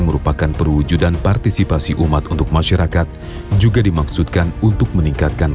merupakan perwujudan partisipasi umat untuk masyarakat juga dimaksudkan untuk meningkatkan